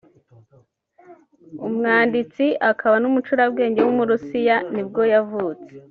umwanditsi akaba n’umucurabwenge w’umurusiya nibwo yavutse